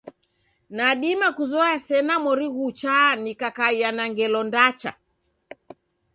Nadima kuzoya sena mori ghuchaa nikakaia na ngelo ndacha.